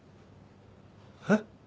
えっ？